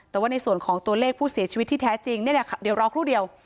แต่ว่าในส่วนของตัวเลขผู้เสียชีวิตที่แท้จริงนี่แหละค่ะเดี๋ยวรอครู่เดียว